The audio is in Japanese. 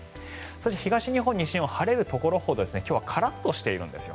そして、東日本、西日本晴れるところほど今日はカラッとしているんです。